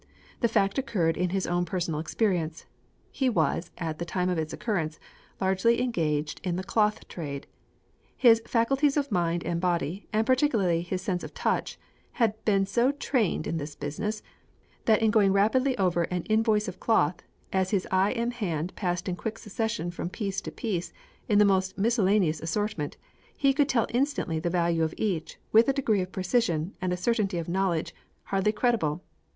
The fact occurred in his own personal experience. He was, at the time of its occurrence, largely engaged in the cloth trade. His faculties of mind and body, and particularly his sense of touch, had been so trained in this business, that in going rapidly over an invoice of cloth, as his eye and hand passed in quick succession from piece to piece, in the most miscellaneous assortment, he could tell instantly the value of each, with a degree of precision, and a certainty of knowledge, hardly credible.